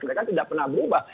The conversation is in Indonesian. mereka tidak pernah berubah